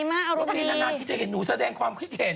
งบคลีนานจะเห็นหนูแสดงความคิดเห็น